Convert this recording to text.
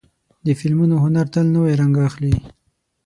د فلمونو هنر تل نوی رنګ اخلي.